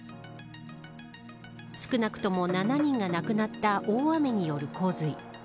少なくとも７人が亡くなった大雨による洪水。